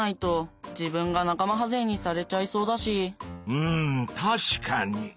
うん確かに！